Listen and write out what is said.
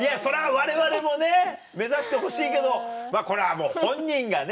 われわれも目指してほしいけどこれはもう本人がね